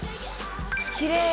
きれい。